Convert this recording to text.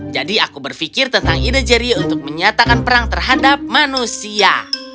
jadi aku berfikir tentang ide jerry untuk menyatakan perang terhadap manusia